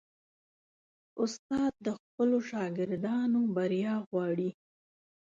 استاد د خپلو شاګردانو بریا غواړي.